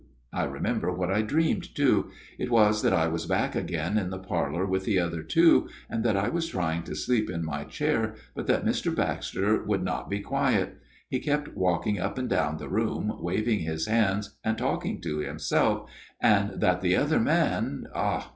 I remember what I dreamed, too. It was that I was back again in the parlour with the other two, and that I was trying to sleep in my chair, but that Mr. Baxter would not be quiet ; he kept walking up and down the room, waving his hands and talking to himself, and that the other man ah